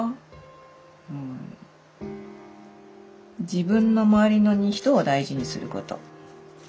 「自分のまわりの人を大事にすること」。